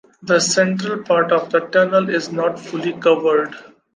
The central part of the tunnel is not fully covered.